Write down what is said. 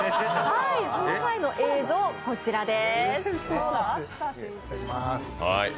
その際の映像、こちらです。